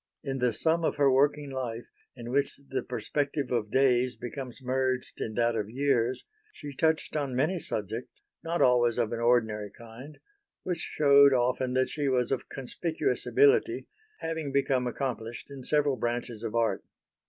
In the sum of her working life, in which the perspective of days becomes merged in that of years, she touched on many subjects, not always of an ordinary kind, which shewed often that she was of conspicuous ability, having become accomplished in several branches of art.